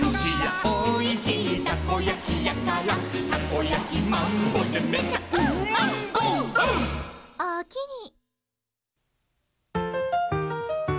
「おおきに」